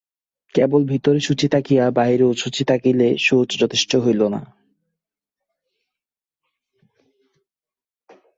কেবল ভিতরে শুচি থাকিয়া বাহিরে অশুচি থাকিলে শৌচ যথেষ্ট হইল না।